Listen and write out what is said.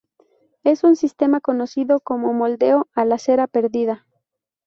Es un sistema conocido como moldeo a la cera perdida.